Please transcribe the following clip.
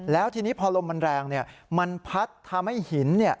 แล้วทีนี้พอลมมันแรงมันพัดทำให้หิน